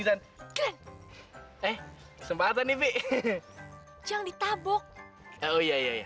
hah kurang ajar ya